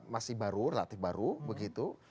masih baru relatif baru